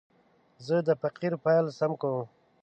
زه د فقرې پیل سم کوم.